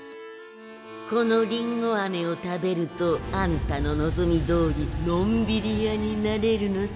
このりんごあめを食べるとあんたの望みどおりのんびり屋になれるのさ。